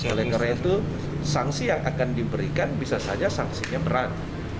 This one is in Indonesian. oleh karena itu sanksi yang akan diberikan bisa saja sanksinya berat